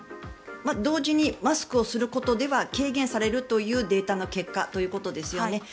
同時にマスクをすることでは軽減されるというデータの結果ということですよね。